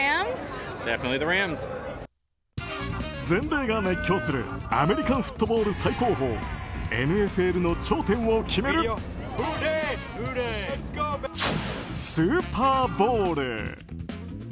全米が熱狂するアメリカンフットボール最高峰ＮＦＬの頂点を決めるスーパーボウル。